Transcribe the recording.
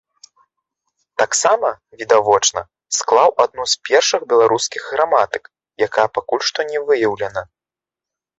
Таксама, відавочна, склаў адну з першых беларускіх граматык, якая пакуль што не выяўлена.